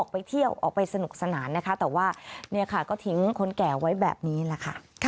ไปเที่ยวออกไปสนุกสนานนะคะแต่ว่าเนี่ยค่ะก็ทิ้งคนแก่ไว้แบบนี้แหละค่ะ